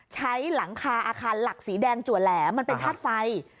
หลังคาอาคารหลักสีแดงจัวแหลมมันเป็นธาตุไฟ